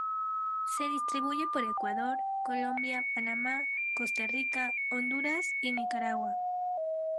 Se distribuye por Ecuador, Colombia, Panamá, Costa Rica, Honduras y Nicaragua.